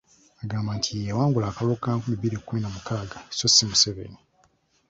Agamba nti ye yawangula akalulu ka nkumi bbiri mu kkumi na mukaaga sso si Museveni.